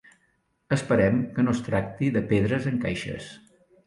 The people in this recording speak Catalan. Esperem que no es tracti de pedres en caixes.